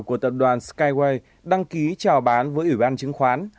của tập đoàn skywei đăng ký trào bán với ủy ban chứng khoán